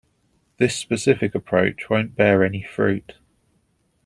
This specific approach won't bear any fruit.